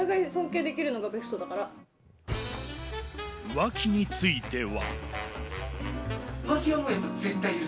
浮気については。